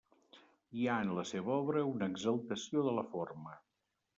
Hi ha en la seva obra una exaltació de la forma.